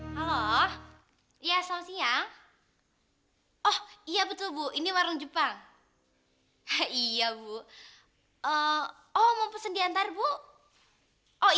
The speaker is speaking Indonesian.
jangan jangan makan saya jangan makan saya dong